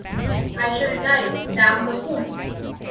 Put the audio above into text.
I shall die! Damn the fool!